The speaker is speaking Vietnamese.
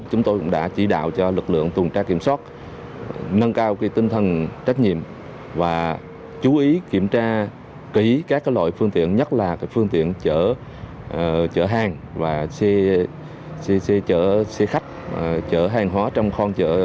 chúng tôi cũng đã chỉ đạo cho lực lượng tuần tra kiểm soát nâng cao tinh thần trách nhiệm và chú ý kiểm tra kỹ các loại phương tiện nhất là phương tiện chở hàng xe khách chở hàng hóa trong con chợ